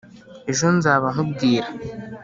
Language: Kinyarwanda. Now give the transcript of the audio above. ejo nzaba nkubwira